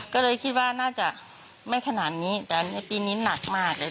ก็เลยคิดว่าน่าจะไม่ขนาดนี้แต่ในปีนี้หนักมากเลย